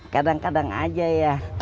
kadang kadang aja ya